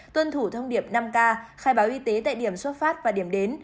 tuân thủ thông điệp năm k khai báo y tế tại điểm xuất phát và điểm đến